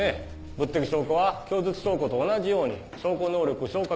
物的証拠は供述証拠と同じように証拠能力証拠価値